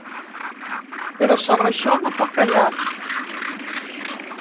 Però sobre això no puc callar.